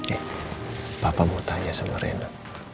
eh bapak mau tanya sama rena